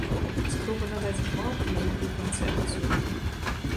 Спроба надаць гвалту нейкую канцэпцыю.